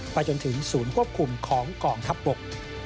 จนถึงศูนย์ควบคุมของกองทัพบก